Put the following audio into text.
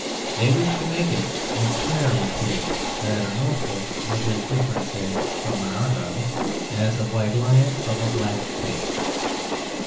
They wished to make it entirely clear that a Norfolk was as different, say, from an Argyll as a white lion from a black pig.